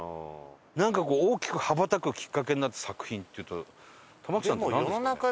なんかこう大きく羽ばたくきっかけになった作品っていうと玉木さんってなんですか？